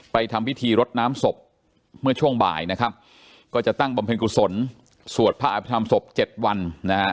ทำพิธีรดน้ำศพเมื่อช่วงบ่ายนะครับก็จะตั้งบำเพ็ญกุศลสวดพระอภิษฐรรมศพ๗วันนะฮะ